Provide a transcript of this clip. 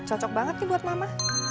cocok banget nih buat mama